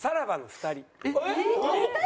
２人？